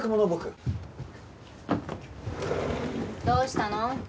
どうしたの？